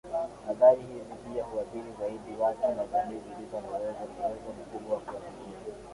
Athari hizi pia huathiri zaidi watu na jamii zilizo na uwezo mkubwa wa kuathiriwa